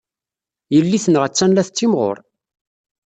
Yelli-tneɣ attan la tettimɣur.